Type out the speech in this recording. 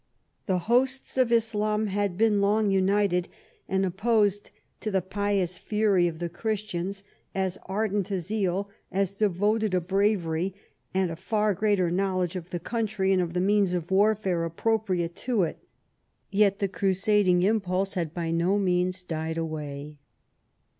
The hosts of Islam had been long united, and opposed to the pious fury of the Christians as ardent a zeal, as devoted a bravery, and a far greater knowledge of the country and of the means of warfare appropriate to it. Yet the crusading impulse had by no means died away.